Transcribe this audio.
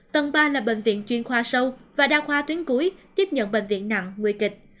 tầng ba là bệnh viện chuyên khoa sâu và đa khoa tuyến cuối tiếp nhận bệnh viện nặng nguy kịch